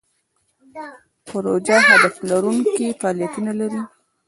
پروژه هدف لرونکي فعالیتونه لري.